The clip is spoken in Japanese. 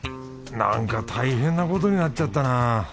なんか大変なことになっちゃったな